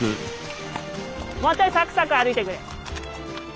もうちょいサクサク歩いてくれ。